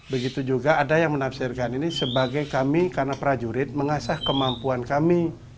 begitu juga ada yang menafsirkan ini sebagai kami karena prajurit mengasah kemampuan kami